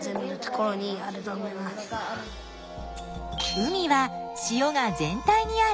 海は塩が全体にある。